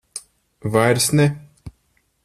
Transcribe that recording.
Vairs ne.